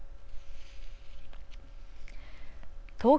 東京